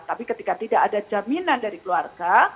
tapi ketika tidak ada jaminan dari keluarga